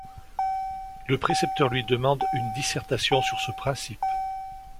Le précepteur lui demande une dissertation sur ce principe.